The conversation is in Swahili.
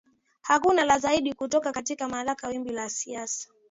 hakuna la ziada kutoka katika makala wimbi la siasa